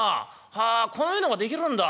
はあこういうのができるんだ。